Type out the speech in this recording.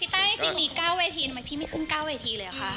พี่แต้จริงนี้๙เวทีแล้วมายฟิมิขึ้น๙เวทีเลยหรอค่ะ